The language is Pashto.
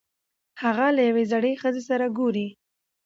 هغه له یوې زړې ښځې سره ګوري.